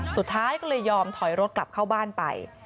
สุดท้ายก็เลยยอมถอยรถกลับเข้าบ้านไป